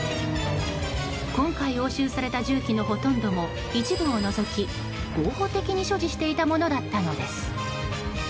今回押収された銃器のほとんども一部を除き合法的に所持していたものだったのです。